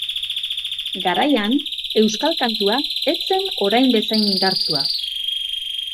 Garaian, euskal kantua ez zen orain bezain indartsua.